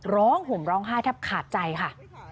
ห่มร้องไห้แทบขาดใจค่ะ